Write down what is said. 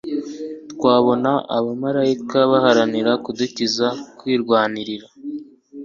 twabona abamarayika baharanira kudukiza kwirwanirira